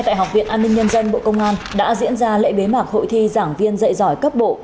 tại học viện an ninh nhân dân bộ công an đã diễn ra lễ bế mạc hội thi giảng viên dạy giỏi cấp bộ